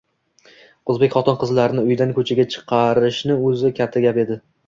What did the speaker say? O’zbek xotin-qizlarini uyidan ko‘chaga chiqarishni o‘zi... katta gap edi!